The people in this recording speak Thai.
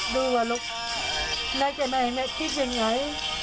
ดูว่าลูกน่าจะแม่เห็นแม่คลิปยังไง